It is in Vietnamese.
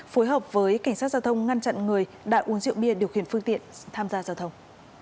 phối hợp với cảnh sát giao thông ngăn chặn người đã uống rượu bia điều khiển phương tiện tham gia giao thông